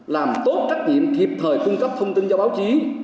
làm tốt trách nhiệm kịp thời cung cấp thông tin cho báo chí